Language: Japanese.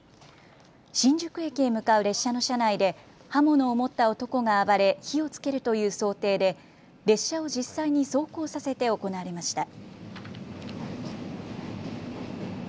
新宿駅へ向かう列車の車内で刃物を持った男が暴れ火をつけるという想定で列車を実際に走行させて行われました。